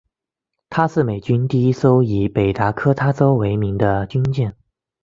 她是美军第一艘以北达科他州为名的军舰。